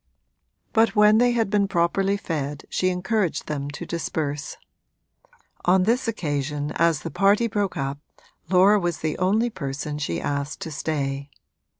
But when they had been properly fed she encouraged them to disperse; on this occasion as the party broke up Laura was the only person she asked to stay.